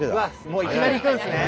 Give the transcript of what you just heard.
もういきなりいくんですね。